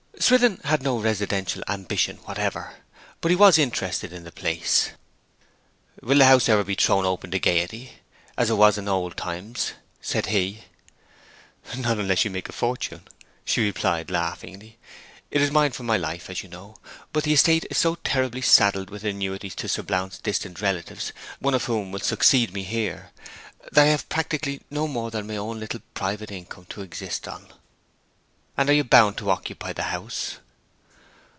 Swithin had no residential ambition whatever, but he was interested in the place. 'Will the house ever be thrown open to gaiety, as it was in old times?' said he. 'Not unless you make a fortune,' she replied laughingly. 'It is mine for my life, as you know; but the estate is so terribly saddled with annuities to Sir Blount's distant relatives, one of whom will succeed me here, that I have practically no more than my own little private income to exist on.' 'And are you bound to occupy the house?'